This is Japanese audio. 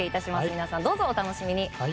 皆さん、どうぞお楽しみに。